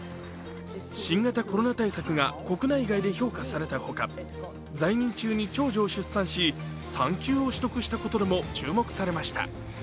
新型コロナ対策が国内外で評価されたほか、在任中に長女を出産し、産休を取得したことでも注目されました。